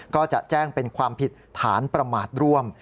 ก็จะแจ้งเป็นความผิดฐานประมาทร่วม